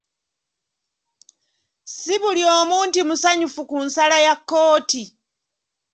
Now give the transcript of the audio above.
Si buli omu nti musanyufu ku nsala ya kkooti.